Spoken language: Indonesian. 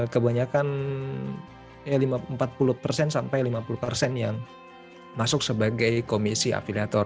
kebanyakan empat puluh persen sampai lima puluh persen yang masuk sebagai komisi afiliator